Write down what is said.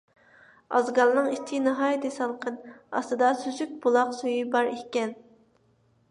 ئازگالنىڭ ئىچى ناھايىتى سالقىن، ئاستىدا سۈزۈك بۇلاق سۈيى بار ئىكەن.